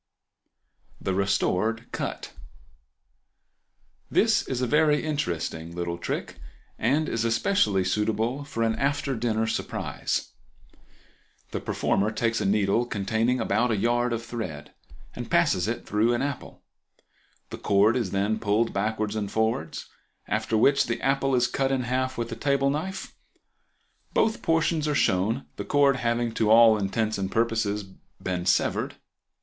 The Restored Cut.—This is a very interesting little trick, and is especially suitable for an after dinner surprise. The performer takes a needle containing about a yard of thread, and passes it through an apple. The cord is then pulled backwards and forwards, after which the apple is cut in half with a table knife; both portions are shown, the cord having to all intents and purposes been severed.